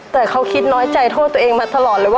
แต่เขาคิดน้อยใจโทษตัวเองมาตลอดเลยว่า